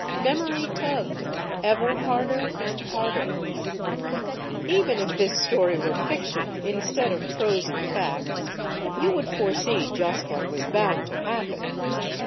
Memory tugged, ever harder and harder. Even if this story were fiction, instead of prosy fact, you would foresee just what was bound to happen.